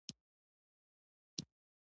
رسۍ له تاو تاو نه جوړه شوې وي.